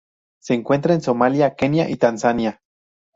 Se encuentra en Somalia, Kenia y Tanzania.